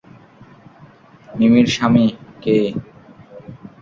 মিমির স্বামী--- কে?